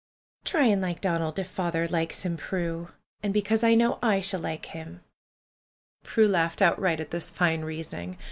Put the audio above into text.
"Try and like Donald, if father likes him, Prue. And because I know I shall like him." Prue laughed outright at this fine reasoning.